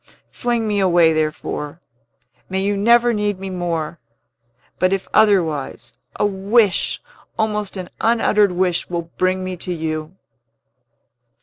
Fling me away, therefore! May you never need me more! But, if otherwise, a wish almost an unuttered wish will bring me to you!"